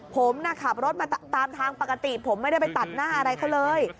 ผมน่ะขับรถมาตามทางปกติผมไม่ได้ไปตัดหน้าอะไรเขาเลย